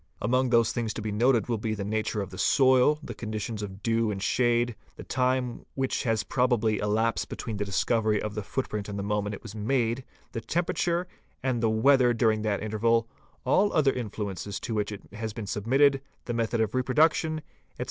Among those things to be noted will be the nature of the soil, | the conditions of dew and shade, the time which has probably elapsed ! between the discovery of the footprint and the moment it was made, the temperature and the weather during that interval, all other influences" — MEASUREMENTS 7 539 to which it has been submitted, the method of reproduction, etc.